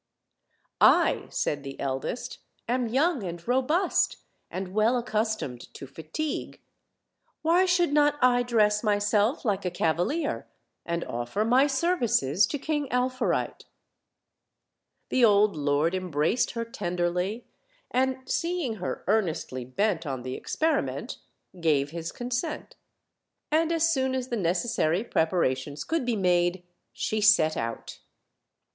"I," said the eldest, "am young and robust, and well accustomed .to fatigue; why should not I dress myself like a cavalier, and offer my services to King Alfourite?" The old lord embraced her tenderly, and, seeing her earnestly bent on the experiment, gave his consent; and as soon as the necessary preparations could be made she set out.